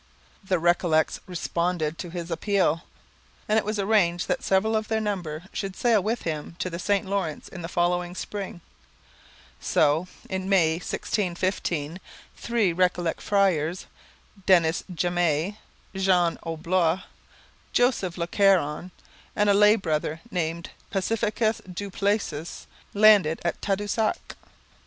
The Recollets responded to his appeal, and it was arranged that several of their number should sail with him to the St Lawrence in the following spring. So, in May 1615, three Recollet friars Denis Jamay, Jean d'Olbeau, Joseph Le Caron and a lay brother named Pacificus du Plessis, landed at Tadoussac.